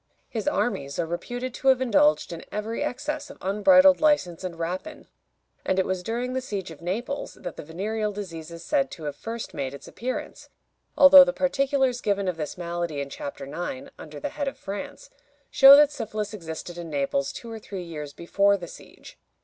His armies are reputed to have indulged in every excess of unbridled license and rapine; and it was during the siege of Naples that the venereal disease is said to have first made its appearance, although the particulars given of this malady in Chapter IX., under the head of France, show that syphilis existed in Naples two or three years before the siege.